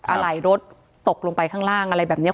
อะไรรถตกลงไปข้างล่างอะไรแบบนี้